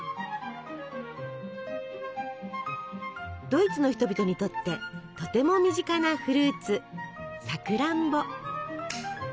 ドイツの人々にとってとても身近なフルーツさくらんぼ。